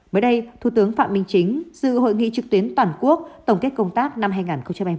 mới đây thủ tướng phạm minh chính dự hội nghị trực tuyến toàn quốc tổng kết công tác năm hai nghìn hai mươi